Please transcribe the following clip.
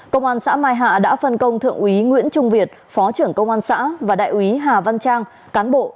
công an xã mai hạ đã phân công thượng úy nguyễn trung việt phó trưởng công an xã và đại úy hà văn trang cán bộ